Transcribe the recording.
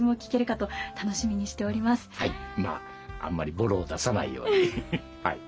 はいまああんまりボロを出さないようにはい。